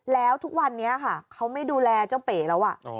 แล้วทุกวันนี้ค่ะเขาไม่ดูแลเจ้าเป๋แล้ว